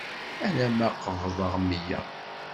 Alama qebḍeɣ meyya.